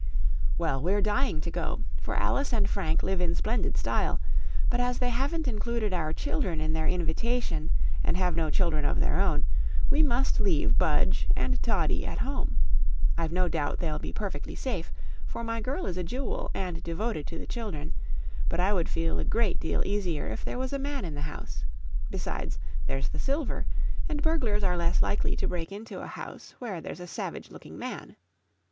Well, we're dying to go, for Alice and Frank live in splendid style; but as they haven't included our children in their invitation, and have no children of their own, we must leave Budge and Toddie at home. I've no doubt they'll be perfectly safe, for my girl is a jewel, and devoted to the children, but I would feel a great deal easier if there was a man in the house. Besides, there's the silver, and burglars are less likely to break into a house where there's a savage looking man.